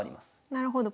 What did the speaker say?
なるほど。